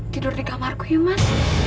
tidur di kamarku ya mas